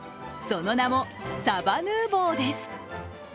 その名もサバヌーヴォーです。